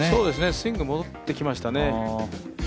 スイングが戻ってきましたね。